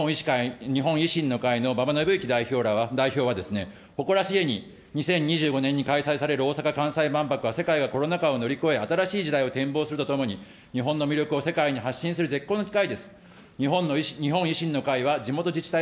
衆議院本会議において、日本維新の会の馬場伸幸代表は、誇らしげに２０２５年に開催される大阪・関西万博が世界はコロナ禍を乗り越え新しい時代を展望するとともに、日本の魅力を世界に発信、絶好の機会です。